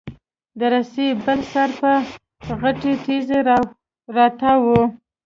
د رسۍ بل سر په غټې تېږي راتاو و.